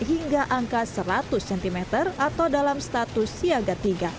hingga angka seratus cm atau dalam status siaga tiga